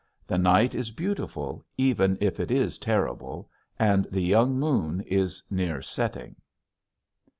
The night is beautiful even if it is terrible; and the young moon is near setting.